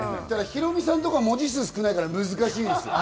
ヒロミさんとか文字数少ないから難しいですね。